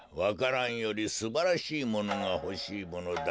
蘭よりすばらしいものがほしいものだ。